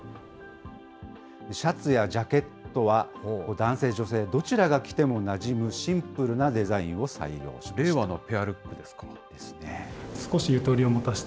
シャツやジャケットは男性、女性どちらが着てもなじむ、シンプルなデザインを採用しました。